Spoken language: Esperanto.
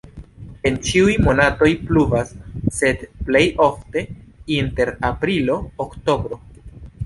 En ĉiuj monatoj pluvas, sed plej ofte inter aprilo-oktobro.